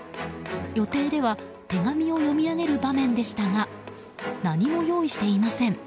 予定では手紙を読み上げる場面でしたが何も用意していません。